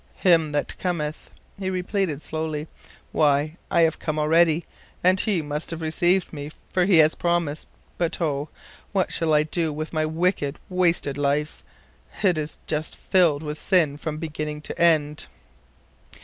"Him that cometh," he slowly repeated. "Why, I have come already, and He must have received me, for He has promised, but, oh! what shall I do with my wicked, wasted life? It is just filled with sin from beginning to end."